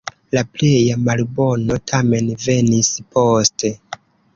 La pleja malbono tamen venis poste.